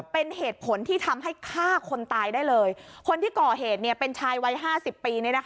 เป็นเหตุผลที่ทำให้ฆ่าคนตายได้เลยคนที่ก่อเหตุเนี่ยเป็นชายวัยห้าสิบปีเนี่ยนะคะ